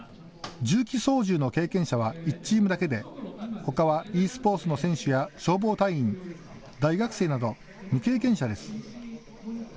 重機操縦の経験者は１チームだけで、ほかはｅスポーツの選手や消防隊員、大学生など未経験者です。